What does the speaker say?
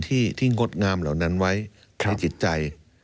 ที่งดงามเหล่านั้นไว้ในจิตใจ